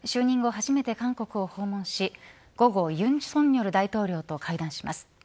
初めて韓国を訪問し午後尹錫悦大統領と会談します。